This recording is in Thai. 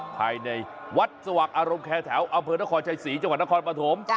ภายในวัดสว่างอารมณ์แคร์แถวอำเภอนครชัยศรีจังหวัดนครปฐม